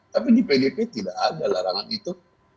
tapi di pdp tidak ada larangan itu